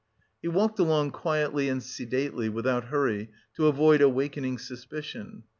He walked along quietly and sedately, without hurry, to avoid awakening suspicion.